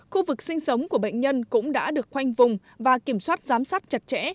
khu vực sinh sống của bệnh nhân cũng đã được khoanh vùng và kiểm soát giám sát chặt chẽ